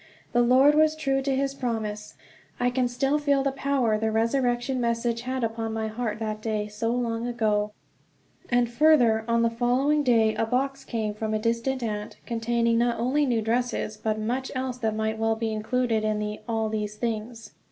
The Lord was true to his promise; I can still feel the power the resurrection messages had upon my heart that day so long ago. And further, on the following day a box came from a distant aunt, containing not only new dresses but much else that might well be included in the "all these things."